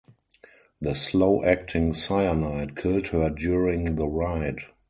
The slow-acting cyanide killed her during the ride.